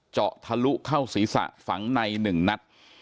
เจาะทะลุเข้าศีรษะฝังใน๑นัด